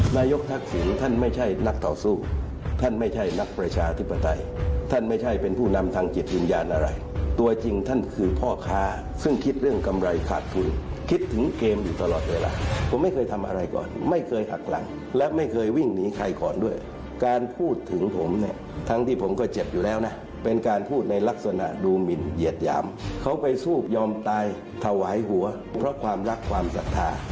อำนาจถ่ายหัวเพราะความรักความศรัทธา